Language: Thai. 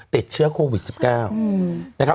เต็ดเชื้อโควิด๑๙